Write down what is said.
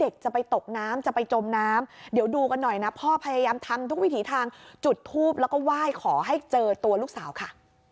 ก็พยายามทำทุกวิถีทางจุดทูปแล้วก็ไหว้ขอให้เจอตัวลูกสาวค่ะ